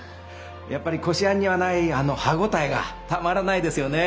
やっぱりこしあんにはないあの歯ごたえがたまらないですよね！